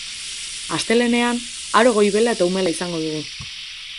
Astelehenean aro goibela eta umela izango dugu.